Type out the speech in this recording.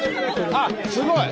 あっすごい！